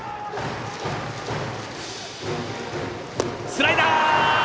スライダー！